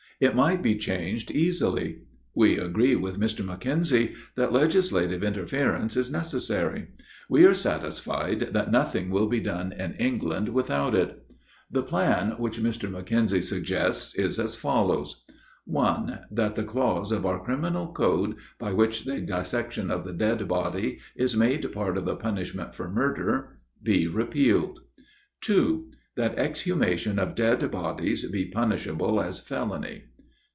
It might be changed easily. We agree with Mr. Mackenzie, that legislative interference is necessary; we are satisfied that nothing will be done in England without it. The plan which Mr. Mackenzie suggests is as follows: 1. That the clause of our criminal code, by which the dissection of the dead body is made part of the punishment for murder, be repealed. 2. That the exhumation of dead bodies be punishable as felony.